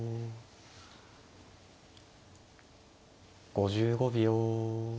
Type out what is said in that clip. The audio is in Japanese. ５５秒。